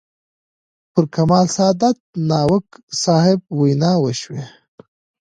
پر کمال سادات، ناوک صاحب ویناوې وشوې.